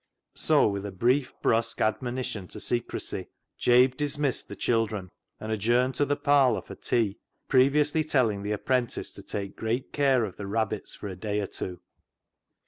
So with a brief, brusque admonition to secrecy, Jabe dismissed the children, and ad journed to the parlour for tea, previously telling the apprentice to take great care of the rabbits for a day or two.